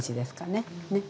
ねっ。